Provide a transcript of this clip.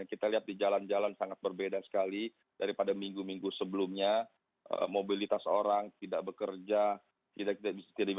kita lihat di jalan jalan sangat berbeda sekali daripada minggu minggu sebelumnya mobilitas orang tidak bekerja tidak bisa makan lagi di restoran di wadah di kota di rumah